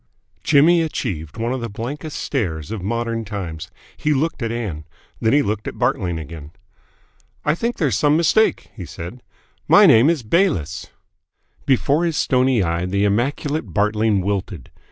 Jimmy achieved one of the blankest stares of modern times. He looked at Ann. Then he looked at Bartling again. "I think there's some mistake," he said. "My name is Bayliss." Before his stony eye the immaculate Bartling wilted.